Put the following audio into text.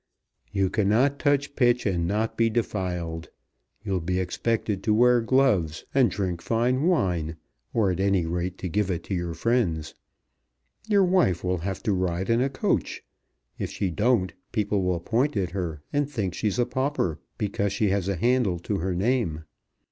"You cannot touch pitch and not be defiled. You'll be expected to wear gloves and drink fine wine, or, at any rate, to give it to your friends. Your wife will have to ride in a coach. If she don't people will point at her, and think she's a pauper, because she has a handle to her name.